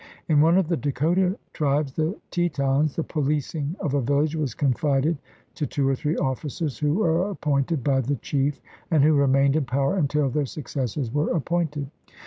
In one of the Dakota tribes, the Tetons, the pohcing of a village was confided to two or three officers who were appointed by the chief and who remained in power until their successors were appointed.